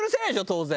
当然。